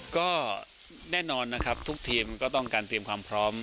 ก็แน่นอนนะครับทุกทีมก็ต้องการเตรียมความพร้อม